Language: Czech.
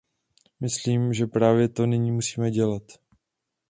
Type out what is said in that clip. Myslím, že právě to nyní musíme dělat.